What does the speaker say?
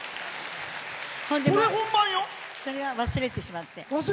それは忘れてしまって。